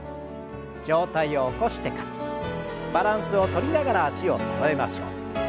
上体を起こしてからバランスをとりながら脚をそろえましょう。